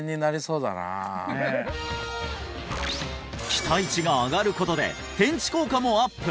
期待値が上がることで転地効果もアップ！